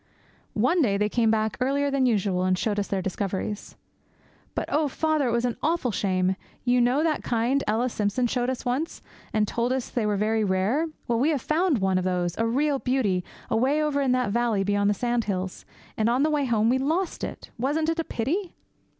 One day they came back, earlier than usual, and showed us their discoveries. 'But, oh, father, it was an awful shame! You know that kind that Ella Simpson showed us once, and told us they were very rare? Well, we found one of those, a real beauty, away over in that valley beyond the sandhills; and on the way home we lost it. Wasn't it a pity?'